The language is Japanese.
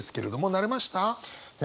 慣れました。